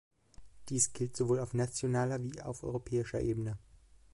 Dies gilt sowohl auf nationaler wie auf europäischer Ebene.